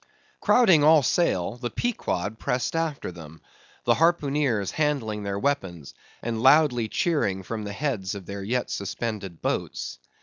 Crowding all sail the Pequod pressed after them; the harpooneers handling their weapons, and loudly cheering from the heads of their yet suspended boats.